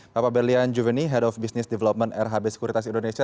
bapak berlian juveni head of business development rhb sekuritas indonesia